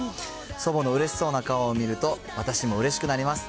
祖母のうれしそうな顔を見ると私もうれしくなります。